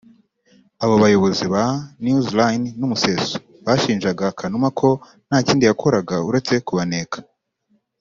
Abo bayobozi ba NewsLine n’Umuseso bashinjaga Kanuma ko nta kindi yakoraga uretse kubaneka